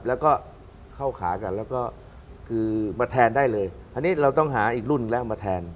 แล้วก็เข้าขากันแล้วก็คือมาแทนได้เลยอันนี้เราต้องหาอีกรุ่นแล้วมาแทน